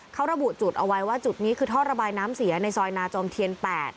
เขาระบุจุดเอาไว้ว่าจุดนี้คือท่อระบายน้ำเสียในซอยนาจอมเทียน๘